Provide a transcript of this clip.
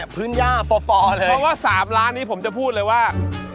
เพราะว่าสามร้านนี้ผมจะพูดเลยว่า